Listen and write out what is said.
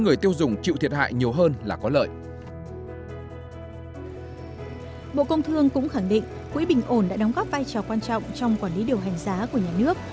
bộ công thương cũng khẳng định quỹ bình ổn đã đóng góp vai trò quan trọng trong quản lý điều hành giá của nhà nước